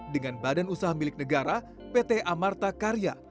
dengan badan usaha milik negara pt amarta karya